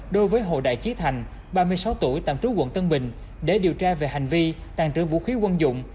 đối với hồ đại trí thành ba mươi sáu tuổi tạm trú quận tân bình để điều tra về hành vi tàn trữ vũ khí quân dụng